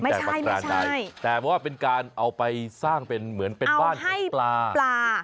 ไม่ใช่แต่เพราะว่าเป็นการเอาไปสร้างเป็นเหมือนเป็นบ้านปลาเอาให้ปลา